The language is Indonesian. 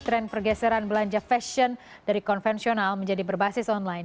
tren pergeseran belanja fashion dari konvensional menjadi berbasis online